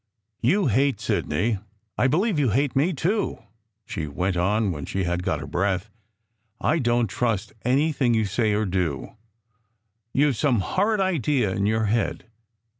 "You hate Sidney. I believe you hate me, too!" she went on when she had got her breath. " I don t trust any thing you say or do. You ve some horrid idea in your head.